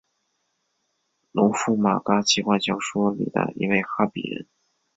农夫马嘎奇幻小说里的一位哈比人。